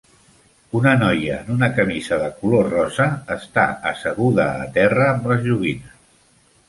Una noia en una camisa de color rosa està assegut a terra amb les joguines.